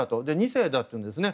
２世だというんですね。